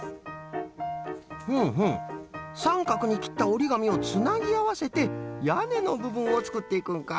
ふむふむさんかくにきったおりがみをつなぎあわせてやねのぶぶんをつくっていくんか。